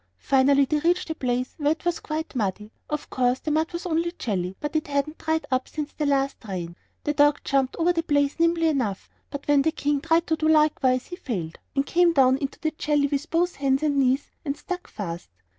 Finally they reached a place where it was quite muddy. Of course the mud was only jelly, but it hadn't dried up since the last rain. The dog jumped over the place nimbly enough, but when the King tried to do likewise he failed, and came down into the jelly with both hands and knees, and stuck fast.